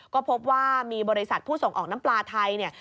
ก็พบว่ามีบริษัทผู้ส่งออกน้ำปลาไทยเนี่ย